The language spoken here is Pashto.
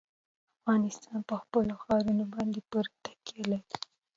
افغانستان په خپلو ښارونو باندې پوره تکیه لري.